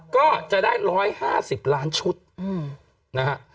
ก็จะได้๑๕๐ล้านชุดนะฮะ